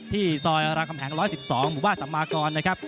ซอยรามคำแหง๑๑๒หมู่บ้านสัมมากรนะครับ